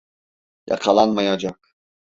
Yakalanmayacak.